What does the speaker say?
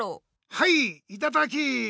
はいいただき！